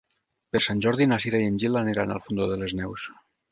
Per Sant Jordi na Cira i en Gil aniran al Fondó de les Neus.